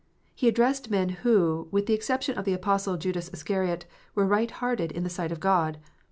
He addressed men who, with the exception of the apostate Judas Iscariot, were right hearted in the sight of God.